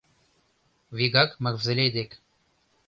— Вигак Мавзолей дек